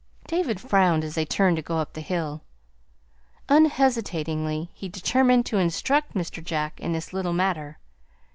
David frowned as they turned to go up the hill. Unhesitatingly he determined to instruct Mr. Jack in this little matter.